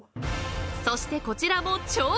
［そしてこちらも超豪華！］